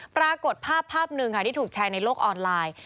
ปรากฏภาพภาพหนึ่งค่ะที่ถูกแชร์ในโลกออนไลน์